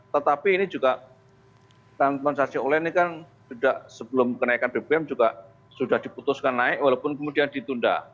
tetapi ini juga transportasi online ini kan sudah sebelum kenaikan bbm juga sudah diputuskan naik walaupun kemudian ditunda